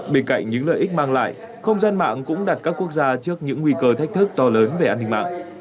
bên cạnh những lợi ích mang lại không gian mạng cũng đặt các quốc gia trước những nguy cơ thách thức to lớn về an ninh mạng